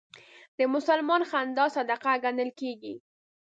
د مسلمان خندا صدقه ګڼل کېږي.